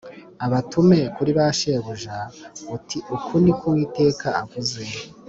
ubatume kuri ba shebuja uti Uku ni ko Uwiteka avuze